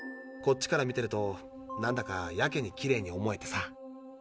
こっちから見てるとなんだかやけにきれいに思えてさ。